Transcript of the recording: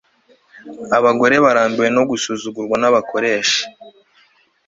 Abagore barambiwe no gusuzugurwa nabakoresha